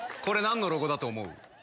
これ何のロゴだと思う？